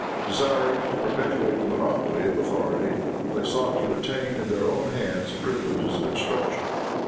Desiring to perpetuate the monopoly of authority, they sought to retain in their own hands the privileges of instruction.